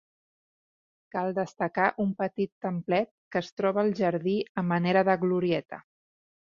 Cal destacar un petit templet que es troba al jardí a manera de glorieta.